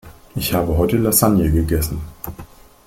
Ich habe heute Lasagne gegessen.